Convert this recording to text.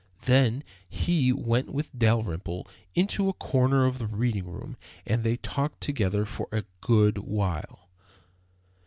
Then he went with Dalrymple into a corner of the reading room, and they talked together for a good while.